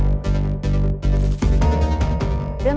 มีความรู้สึกว่ามีความรู้สึกว่า